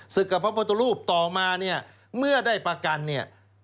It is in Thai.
กับพระพุทธรูปต่อมาเนี่ยเมื่อได้ประกันเนี่ย